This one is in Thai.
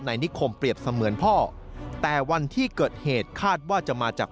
นิคมเปรียบเสมือนพ่อแต่วันที่เกิดเหตุคาดว่าจะมาจาก